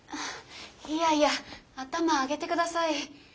いやいや頭上げて下さい。